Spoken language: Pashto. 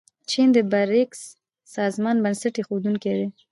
چین د بریکس سازمان بنسټ ایښودونکی دی.